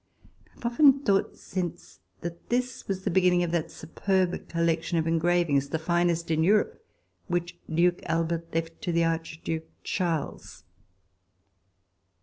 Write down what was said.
I have often thought since that this was the beginning of that superb collection of engravings, the finest in Europe, which Duke Albert left to the Archduke Charles.